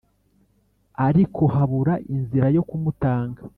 ariko babura inzira yo kumutanga.